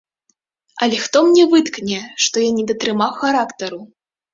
Але хто мне выткне, што я не датрымаў характару?